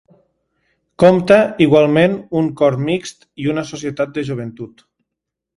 Compta igualment un cor mixt i una societat de Joventut.